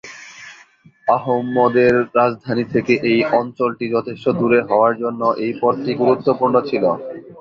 আহোমদের রাজধানী থেকে এই অঞ্চলটি যথেষ্ট দূরে হওয়ার জন্য এই পদটি গুরুত্বপূর্ণ ছিল।